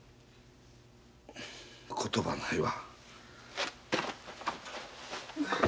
言葉ないわ。